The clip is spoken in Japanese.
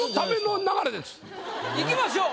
いきましょう。